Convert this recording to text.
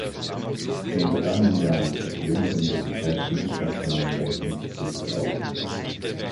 In den vergangenen Jahren stieg die junge Universität in internationalen Rankings stetig auf.